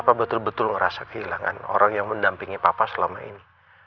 bapak betul betul merasa kehilangan orang yang mendampingi papa selama ini